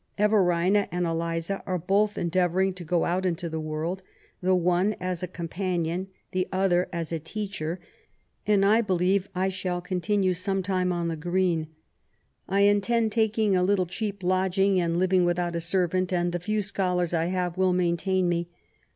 ... Eyerina and Eliza are both endeayoniing to go oat into the world, the one as a companion, and the other as a teacher, and I believe I shall continue some time on the Green. I intend taking a little cheap lodging, and living without a servant ; and the few scholars I have will maintain me.